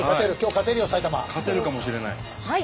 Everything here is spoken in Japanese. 勝てるかもしれない。